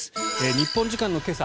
日本時間の今朝